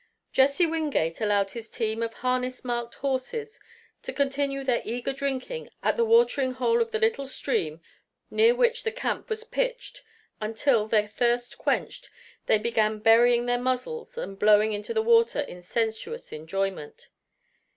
Jesse Wingate allowed his team of harness marked horses to continue their eager drinking at the watering hole of the little stream near which the camp was pitched until, their thirst quenched, they began burying their muzzles and blowing into the water in sensuous enjoyment.